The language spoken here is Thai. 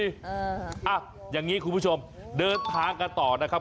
อ่ะอย่างนี้คุณผู้ชมเดินทางกันต่อนะครับ